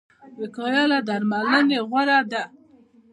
وقایه له درملنې غوره ده